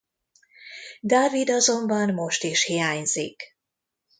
David azonban most is hiányzik.